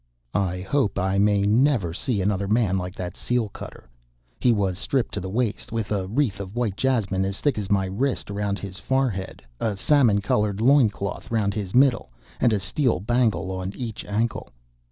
I hope I may never see another man like that seal cutter. He was stripped to the waist, with a wreath of white jasmine as thick as my wrist round his forehead, a salmon colored loin cloth round his middle, and a steel bangle on each ankle.